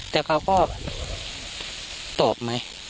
แต่เขาก็ตอบไหม